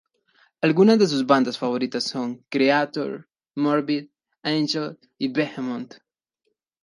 Algunas de sus bandas favoritas son Kreator, Morbid Angel y Behemoth.